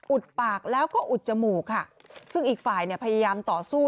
ปากแล้วก็อุดจมูกค่ะซึ่งอีกฝ่ายเนี่ยพยายามต่อสู้